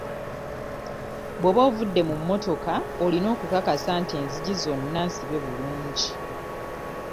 Bw'oba ovudde mu mmotoka olina okukakasa nti enzigi zonna nsibe bulungi.